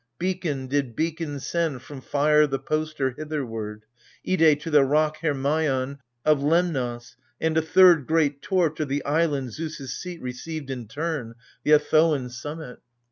Beacon did beacon send, from fire the poster, Hitherward : Ide to the rock Hermaian Of Lemnos : and a third great torch o' the island Zeus' seat received in turn, the Athoan summit.